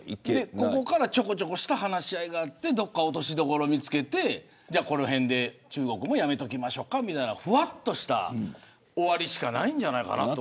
ここから、ちょこちょこした話し合いがあってどこか落としどころを見つけてこのへんで中国もやめときましょか、みたいなふわっとした終わりしかないんじゃないかな。